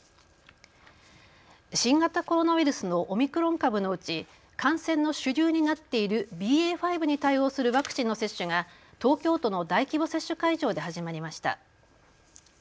新型コロナウイルスのオミクロン株のうち感染の主流になっているＢＡ．５に対応するワクチンの接種が東京都の大規模接種会場で始まりました。